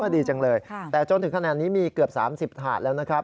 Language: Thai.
ดีจังเลยแต่จนถึงขนาดนี้มีเกือบ๓๐ถาดแล้วนะครับ